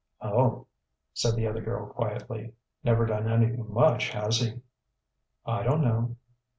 "Oh," said the other girl quietly. "Never done anything much, has he?" "I don't know."